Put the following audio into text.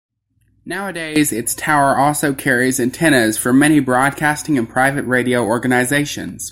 Nowadays its tower also carries antennas for many broadcasting and private radio organisations.